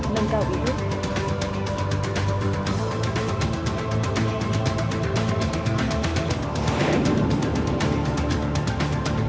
nâng cao ý kiến